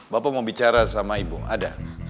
bapak mau bicara sama ibu ada